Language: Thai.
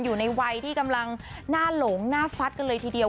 อยู่ในวัยที่กำลังหน้าหลงหน้าฟัดกันเลยทีเดียว